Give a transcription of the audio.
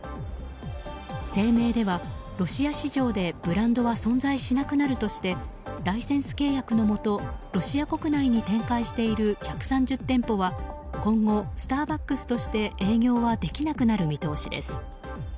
声明ではロシア市場でブランドは存在しなくなるとしてライセンス契約のもとロシア国内に展開している１３０店舗は今後スターバックスとして営業はできなくなる見通しです。